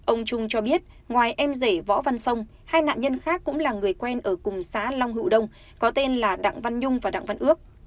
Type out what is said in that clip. ông trung cho biết ngoài em rể võ văn sông hai nạn nhân khác cũng là người quen ở cùng xã long hữu đông có tên là đặng văn nhung và đặng văn ước